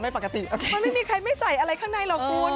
เมื่อแรกทางนี้เขาไม่ใส่อะไรข้างในหรอกคุณ